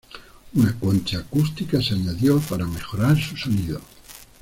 Una concha acústica se añadió para mejorar su sonido.